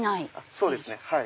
そうですね。